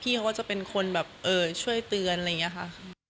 เขาก็จะเป็นคนแบบช่วยเตือนอะไรอย่างนี้ค่ะ